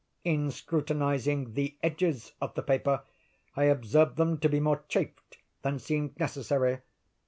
In scrutinizing the edges of the paper, I observed them to be more chafed than seemed necessary.